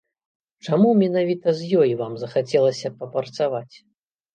Чаму менавіта з ёй вам захацелася папрацаваць?